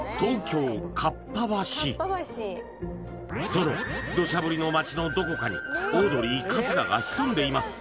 そのどしゃ降りの街のどこかにオードリー春日が潜んでいます